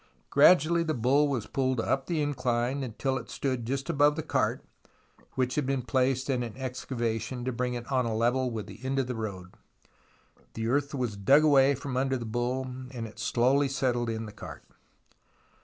Gradually the bull was pulled up the incline until it stood just above the cart, which had been placed in an excavation to bring it on a level with the end of the road. The earth was dug away from under the bull, and it slowly settled in the cart.